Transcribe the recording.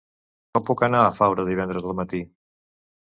Com puc anar a Faura divendres al matí?